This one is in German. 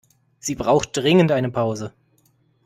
Sie braucht dringend eine Pause.